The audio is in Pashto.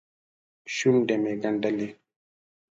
شونډې مې ګنډلې.